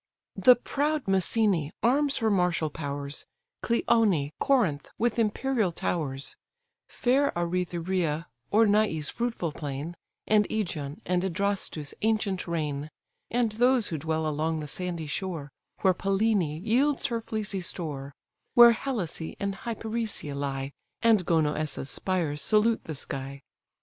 The proud Mycenè arms her martial powers, Cleonè, Corinth, with imperial towers, Fair Aræthyrea, Ornia's fruitful plain, And Ægion, and Adrastus' ancient reign; And those who dwell along the sandy shore, And where Pellenè yields her fleecy store, Where Helicè and Hyperesia lie, And Gonoëssa's spires salute the sky.